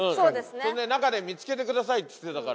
そんで「中で見つけてください」つってたから。